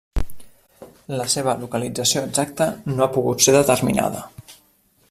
La seva localització exacta no ha pogut ser determinada.